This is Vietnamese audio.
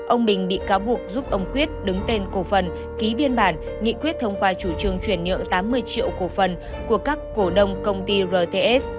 ông bình bị cáo buộc giúp ông quyết đứng tên cổ phần ký biên bản nghị quyết thông qua chủ trương chuyển nhượng tám mươi triệu cổ phần của các cổ đông công ty rts